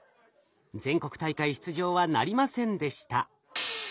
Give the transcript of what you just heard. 全国大会出場はなりませんでした。